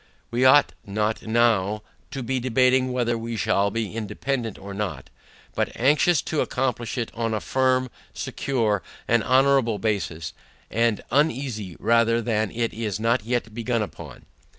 We ought not now to be debating whether we shall be independant or not, but, anxious to accomplish it on a firm, secure, and honorable basis, and uneasy rather that it is not yet began upon.